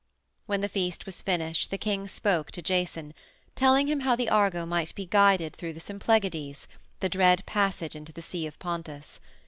When the feast was finished the king spoke to Jason, telling him how the Argo might be guided through the Symplegades, the dread passage into the Sea of Pontus.